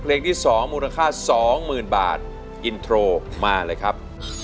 เพลงที่๒มูลค่า๒๐๐๐บาทอินโทรมาเลยครับ